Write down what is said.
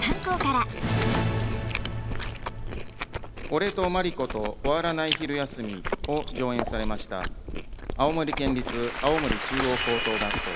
「俺とマリコと終わらない昼休み」を上演されました青森県立青森中央高等学校。